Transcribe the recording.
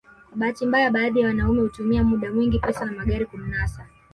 Kwa bahati mbaya baadhi ya wanaume hutumia muda mwingi pesa na magari kumnasa